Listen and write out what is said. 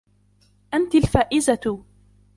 أنتِ الفائزة.